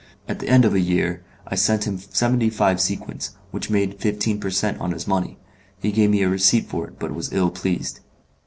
At the end of a year I sent him seventy five sequins, which made fifteen per cent. on his money; he gave me a receipt for it, but was ill pleased.